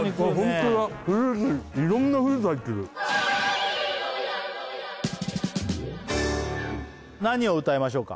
ホントだ色んなフルーツ入ってる何を歌いましょうか？